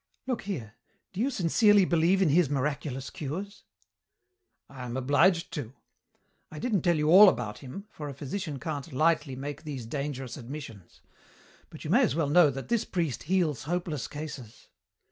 Look here, do you sincerely believe in his miraculous cures?" "I am obliged to. I didn't tell you all about him, for a physician can't lightly make these dangerous admissions. But you may as well know that this priest heals hopeless cases.